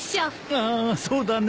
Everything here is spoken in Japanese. ああそうだね。